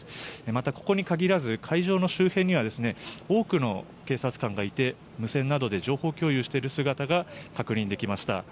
また、ここに限らず会場の周辺には多くの警察官がいて、無線などで情報共有している状況が確認できました。